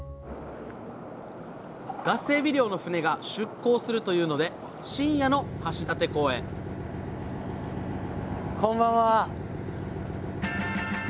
ガスエビ漁の船が出航するというので深夜の橋立港へこんばんは。